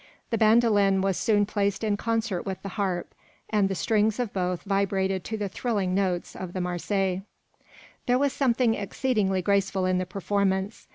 The bandolin was soon placed in concert with the harp, and the strings of both vibrated to the thrilling notes of the Marseillaise. There was something exceedingly graceful in the performance.